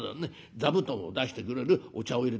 座布団を出してくれるお茶をいれてくれました。